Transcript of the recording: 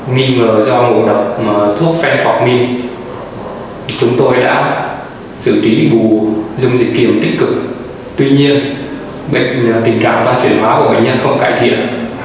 nghi ngờ do ngộ độc thuốc phen phọc minh chúng tôi đã xử trí bù dung dịch kiểm tích cực tuy nhiên tình trạng toàn chuyển hoá của bệnh nhân không cải thiện